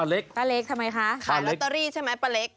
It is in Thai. ป้าเล็กทำไมคะขายลอตเตอรี่ใช่ไหมป้าเล็ก